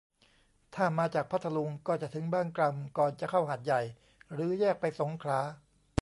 ถ้ามาจากพัทลุง ก็จะถึงบางกล่ำก่อนจะเข้าหาดใหญ่หรือแยกไปสงขลา